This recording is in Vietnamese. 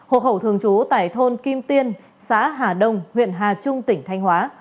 hộ khẩu thường trú tại thôn kim tiên xã hà đông huyện hà trung tỉnh thanh hóa